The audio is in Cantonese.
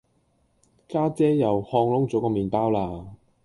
家姐又炕燶左個麵包啦